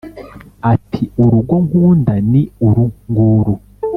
Ati : Urugo nkunda ni uru nguru